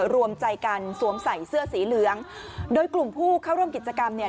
รวมใจกันสวมใส่เสื้อสีเหลืองโดยกลุ่มผู้เข้าร่วมกิจกรรมเนี่ย